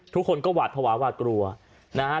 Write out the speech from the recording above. ทุกคนก็หวาดภาวะหวาดกลัวนะฮะ